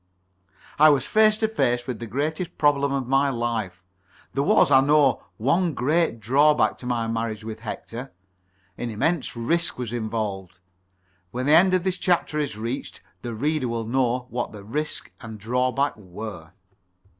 I was face to face with the greatest problem of my life. There was, I know, one great drawback to my marriage with Hector. An immense risk was involved. When the end of this chapter is reached the reader will know what the risk and drawback were.